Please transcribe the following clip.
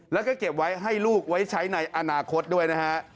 แล้วก็เก็บไว้ให้ลูกไว้ใช้ในอนาคตด้วยนะฮะ